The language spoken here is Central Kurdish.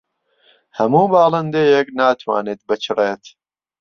هەموو باڵندەیەک ناتوانێت بچڕێت.